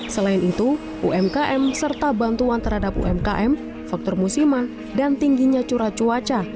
selain itu umkm serta bantuan terhadap umkm faktor musiman dan tingginya curah cuaca